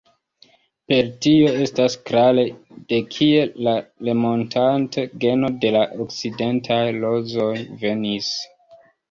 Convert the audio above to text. Per tio estas klare, de kie la Remontant-geno de la okcidentaj rozoj venis.